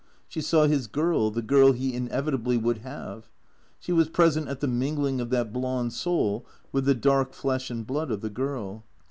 She saw his Girl, the Girl he inevitably would have. She was present at the mingling of that blond soul with the dark flesh and blood of the Girl.